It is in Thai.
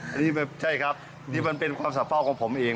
อันนี้ไม่ใช่ครับนี่มันเป็นความสะเป้าของผมเอง